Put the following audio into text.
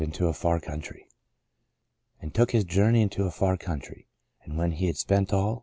INTO A FAR COUNTRY «' And took his journey into a far country ... and when he had spent all